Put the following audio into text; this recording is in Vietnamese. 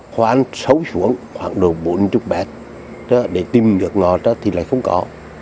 khoa ăn xấu xuống khoảng đồ bốn mươi m để tìm nước ngọt thì lại không có